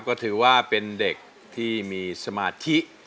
คือว่าเด็กที่มีสมะที่